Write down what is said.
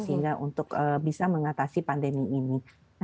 sehingga untuk bisa mengatasi pandemi ini